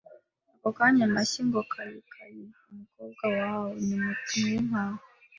Ako kanya amashyi ngo kaikai! Umukowa wau ni Mutumwinka